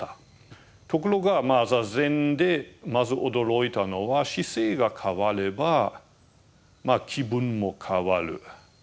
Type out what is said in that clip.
ところが坐禅でまず驚いたのは姿勢が変われば気分も変わる。